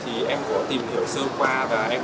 thì em có tìm hiểu rất là nhiều